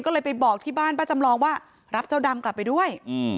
ก็เลยไปบอกที่บ้านป้าจำลองว่ารับเจ้าดำกลับไปด้วย